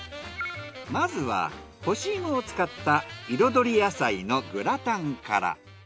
まずは干し芋を使った彩り野菜のグラタンから。